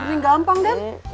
oh gampang den